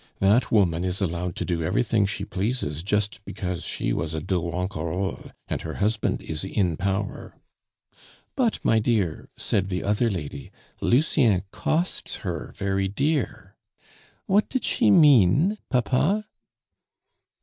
That woman is allowed to do everything she pleases just because she was a de Ronquerolles, and her husband is in power.' 'But, my dear,' said the other lady, 'Lucien costs her very dear.' What did she mean, papa?"